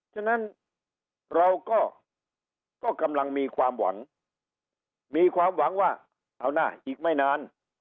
ฉะนั้นเราก็กำลังมีความหวังมีความหวังว่าเอาหน้าอีกไม่นาน